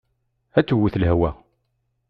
Ad tewwet lehwa.